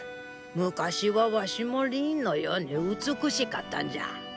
昔はワシもリーンのように美しかったんじゃ。